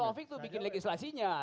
taufik itu bikin legislasinya